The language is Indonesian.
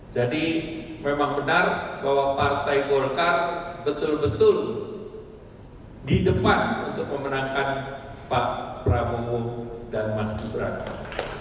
jadi memang benar bahwa partai golkar betul betul di depan untuk memenangkan pak prabowo dan mas gibran